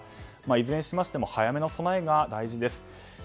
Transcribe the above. いずれにしましても早めの備えが大事です。